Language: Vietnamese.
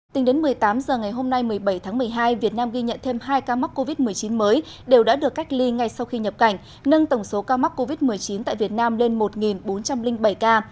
tính đến một mươi tám h ngày hôm nay một mươi bảy tháng một mươi hai việt nam ghi nhận thêm hai ca mắc covid một mươi chín mới đều đã được cách ly ngay sau khi nhập cảnh nâng tổng số ca mắc covid một mươi chín tại việt nam lên một bốn trăm linh bảy ca